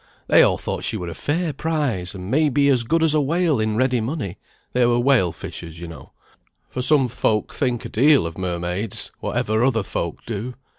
They all thought she were a fair prize, and may be as good as a whale in ready money (they were whale fishers you know). For some folk think a deal of mermaids, whatever other folk do."